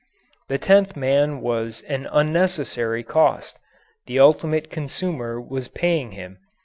The tenth man was an unnecessary cost. The ultimate consumer was paying him.